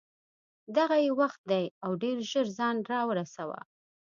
دغه یې وخت دی او ډېر ژر ځان را ورسوه.